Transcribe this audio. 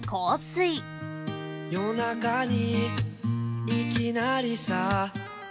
「夜中にいきなりさ」